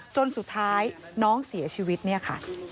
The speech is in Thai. จนสุดท้ายน้องเสียชีวิตเนี่ยค่ะ